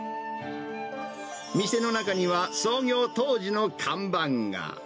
店の中には、創業当時の看板が。